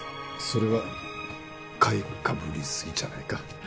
それは買いかぶりすぎじゃないか